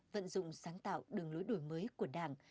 vận dụng sáng tạo đường lối đổi mới của đảng